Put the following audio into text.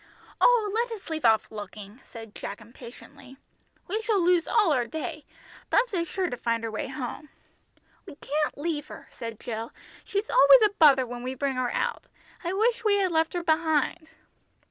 "Oh, let us leave off looking," said Jack, impatiently, "we shall lose all our day, Bumps is sure to find her way home." "We can't leave her," said Jill. "She's always a bother when we bring her out. I wish we had left her behind."